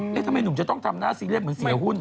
ทำไมหนุ่มจะต้องทำหน้าซีเรียสเหมือนเสียหุ้น